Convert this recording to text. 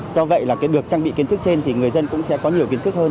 do vậy là cái được trang bị kiến thức trên thì người dân cũng sẽ có nhiều kiến thức hơn